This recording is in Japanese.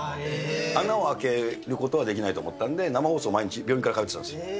穴を開けることはできないと思ったんで、生放送毎日病院から通っていたんですよ。